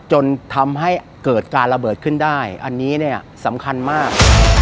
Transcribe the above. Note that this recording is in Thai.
จนทำให้เกิดการระเบิดขึ้นได้อันนี้เนี่ยสำคัญมาก